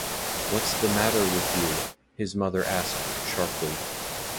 “What’s the matter with you?” his mother asked sharply.